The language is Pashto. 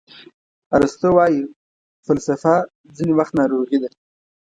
ارسطو وایي فلسفه ځینې وخت ناروغي ده.